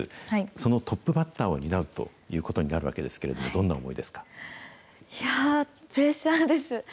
そのトップバッターを担うということになるわけですけれども、どプレッシャーです。